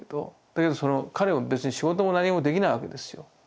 だけどその彼は別に仕事も何もできないわけですよ。